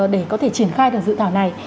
để có thể triển khai được dự thảo này